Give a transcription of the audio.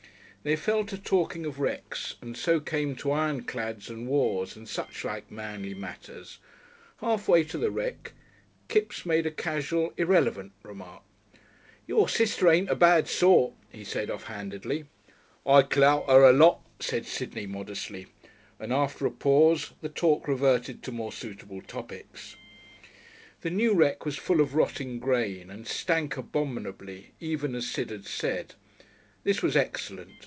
They fell to talking of wrecks, and so came to ironclads and wars and suchlike manly matters. Half way to the wreck Kipps made a casual irrelevant remark. "Your sister ain't a bad sort," he said off handedly. "I clout her a lot," said Sidney modestly, and after a pause the talk reverted to more suitable topics. The new wreck was full of rotting grain, and smelt abominably, even as Sid had said. This was excellent.